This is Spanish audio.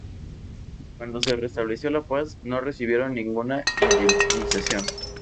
Cuando se restableció la paz, no recibieron ninguna indemnización.